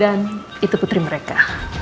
dan itu putri mereka